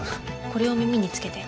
これを耳につけて。